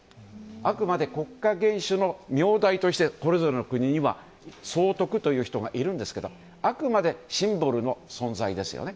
あくまで国家元首の名代としてそれぞれの国には総督という人がいるんですけどあくまでシンボルの存在ですね。